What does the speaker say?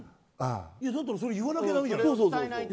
それ言わなきゃ駄目じゃない。